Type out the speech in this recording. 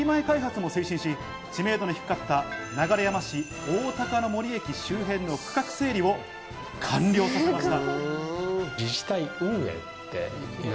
駅前開発も推進し、知名度の低かった流山市おおたかの森駅周辺の区画整理を完了させました。